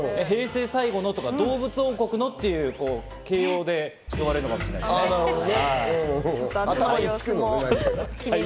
平成最後のとか、動物王国のっていう形容で呼ばれるのかもしれないですね。